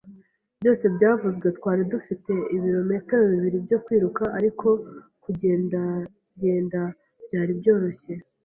Byose byavuzwe, twari dufite ibirometero bibiri byo kwiruka; ariko kugendagenda byari byoroshye ,.